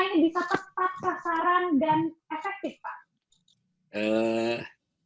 ini bisa tepat sasaran dan efektif pak